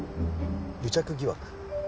癒着疑惑？